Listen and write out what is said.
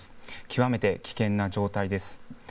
極めて危険な状態です。